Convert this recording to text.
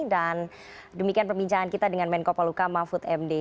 dan demikian pembincangan kita dengan menko polhukam mahfud md